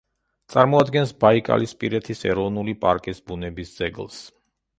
წარმოადგენს ბაიკალისპირეთის ეროვნული პარკის ბუნების ძეგლს.